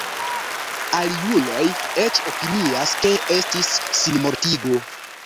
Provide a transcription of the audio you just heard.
Aliuloj eĉ opinias ke estis sinmortigo.